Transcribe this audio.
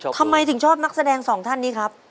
ทำไมถึงชอบนักแสดงสองท่านนี้ครับ